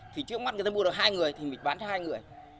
thì trước mắt người ta mua được hai người thì mình bán hai người